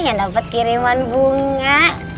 yang dapat kiriman bunga